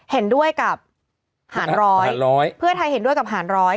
เห็นด้วยกับหารร้อยเพื่อไทยเห็นด้วยกับหารร้อย